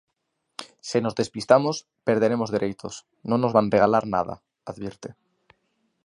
"Se nos despistamos, perderemos dereitos; non nos van regalar nada", advirte.